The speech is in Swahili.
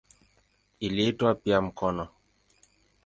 Iliitwa pia "mkono".